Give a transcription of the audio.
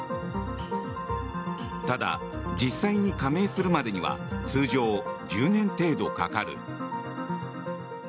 ただ、実際に加盟するまでには通常、１０年程度かかる。